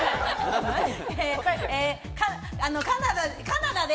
カナダで。